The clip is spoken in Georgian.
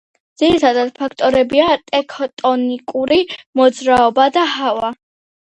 ძირითადი ფაქტორებია ტექტონიკური მოძრაობა და ჰავა.